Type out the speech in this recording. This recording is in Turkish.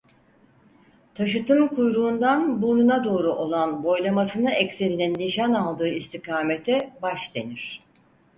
Taşıtın kuyruğundan burnuna doğru olan boylamasına ekseninin nişan aldığı istikamete "baş" denir.